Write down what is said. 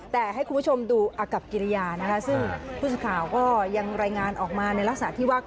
แต่ให้คุณผู้ชมดูอากับกิริยานะคะซึ่งผู้สื่อข่าวก็ยังรายงานออกมาในลักษณะที่ว่า